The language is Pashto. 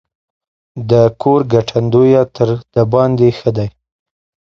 د کور ګټندويه تر دباندي ښه دی.